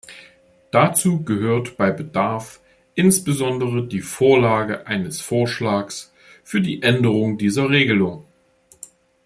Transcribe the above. Dazu gehört bei Bedarf insbesondere die Vorlage eines Vorschlags für die Änderung dieser Regelung.